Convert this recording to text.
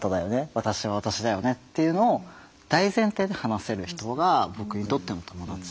私は私だよねっていうのを大前提で話せる人が僕にとっての友達。